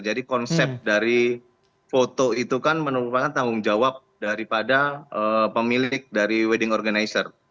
jadi konsep dari foto itu kan merupakan tanggung jawab daripada pemilik dari wedding organizer